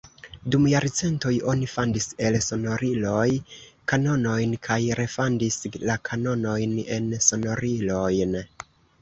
Dum jarcentoj oni fandis el sonoriloj kanonojn kaj refandis la kanonojn en sonorilojn.